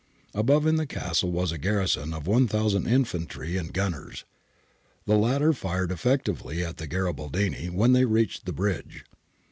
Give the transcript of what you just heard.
Above in the castle was a garrison of 1000 infantry and gunners; the latter fired effectively at the Garibaldini when they reached the bridge.